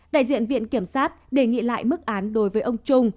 đại diện viện kiểm sát đề nghị lại mức án đối với ông trung